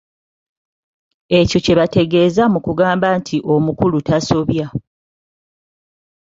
Ekyo kye bategeeza mu kugamba nti omukulu tasobya.